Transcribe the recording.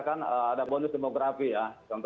kan ada bonus demografi ya